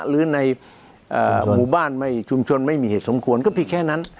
หรือในหุบ้านไม่ชุมชนไม่มีเหตุสมควรก็เพียงยัง